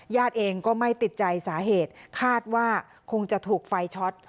เองก็ไม่ติดใจสาเหตุคาดว่าคงจะถูกไฟช็อต